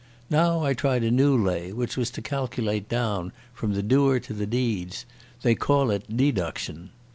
Now I tried a new lay, which was to calculate down from the doer to the deeds. They call it deduction.